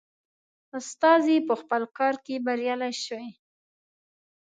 استازی په خپل کار کې بریالی شوی.